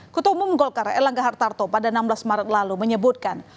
ketua umum golkar erlangga hartarto pada enam belas maret lalu menyebutkan